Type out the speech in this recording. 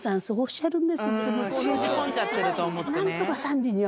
信じ込んじゃってると思ってね。